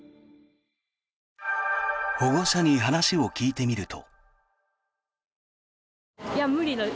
保護者に話を聞いてみると。